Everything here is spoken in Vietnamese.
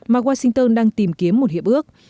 mà washington đang tìm kiếm một hiệp ước